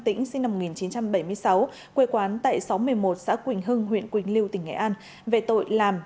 tỉnh sinh năm một nghìn chín trăm bảy mươi sáu quê quán tại xóm một mươi một xã quỳnh hưng huyện quỳnh lưu tỉnh nghệ an về tội làm